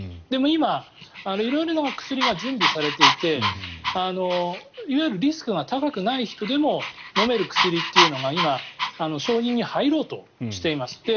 でも、今色々な薬が準備されていていわゆるリスクが高くない人でも飲める薬が今、承認に入ろうとしています。